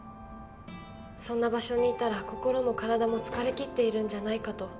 「そんな場所にいたら心も体も疲れきっているんじゃないかと」